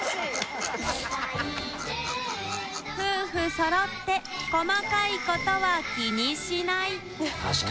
禀徂そろって細かいことは気にしない柴田）